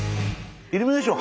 イルミネーション